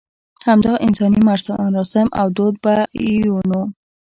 همدا انساني مراسم او درد به یو نه و.